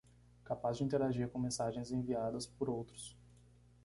capaz de interagir com mensagens enviadas por outros